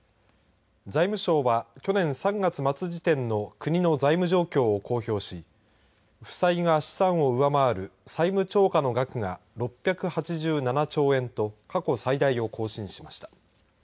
財務省は去年３月末時点の国の財務状況を公表し負債が資産を上回る債務超過の額が６８７兆円と過去最大を更新しました。